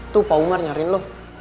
tuh pak umar nyariin lo